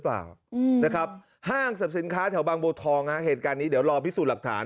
ห้างศัพท์สินค้าแถวบางโบทองเหตุการณ์นี้เดี๋ยวรอพิสูจน์หลักฐาน